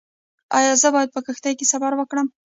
ایا زه باید په کښتۍ کې سفر وکړم؟